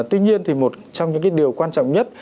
tuy nhiên thì một trong những cái điều quan trọng nhất